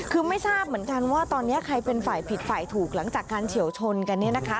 คือไม่ทราบเหมือนกันว่าตอนนี้ใครเป็นฝ่ายผิดฝ่ายถูกหลังจากการเฉียวชนกันเนี่ยนะคะ